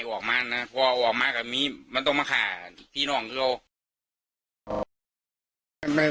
พี่แว่ยังจะสดงวางตายตลอดชีวิตนะฮะแว่นี้ไม่ใช่จริงนะฮะ